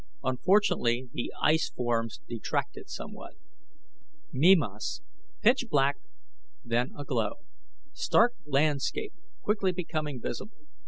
Unfortunately, the ice forms detracted somewhat. Mimas, pitch black, then a glow. Stark landscape quickly becoming visible.